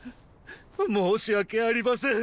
申し訳ありません。